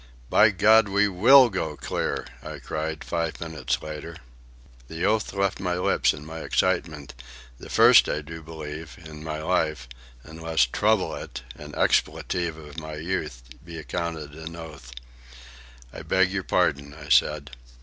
"By God, we will go clear!" I cried, five minutes later. The oath left my lips in my excitement—the first, I do believe, in my life, unless "trouble it," an expletive of my youth, be accounted an oath. "I beg your pardon," I said.